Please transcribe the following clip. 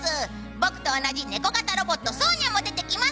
僕と同じネコ型ロボットソーニャも出てきます。